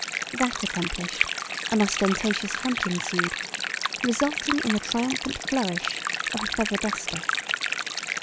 That accomplished, an ostentatious hunt ensued, resulting in the triumphant flourish of a feather duster.